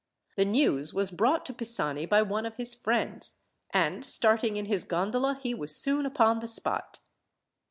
The news was brought to Pisani by one of his friends, and, starting in his gondola, he was soon upon the spot.